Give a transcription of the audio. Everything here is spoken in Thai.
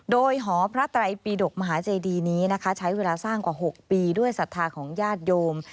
โดยหอพระไตรปีดกมหาเจดีนี้นะคะใช้เวลาสร้างกว่า๖ปีด้วยศรัทธาของญาติโยม